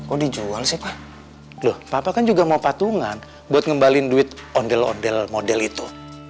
oh dijual sih pak loh papa kan juga mau patungan buat ngembalin duit ondel ondel model itu